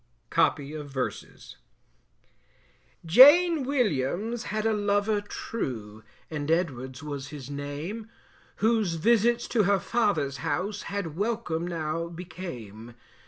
Copy of Verses. Jane Williams had a lover true And Edwards was his name, Whose visits to her father's house, Had welcome now became.